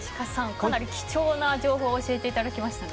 かなり貴重な情報を教えていただきましたね。